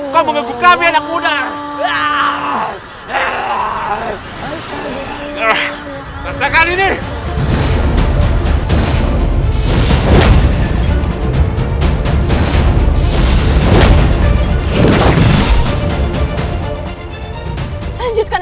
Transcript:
kau akan diserang kami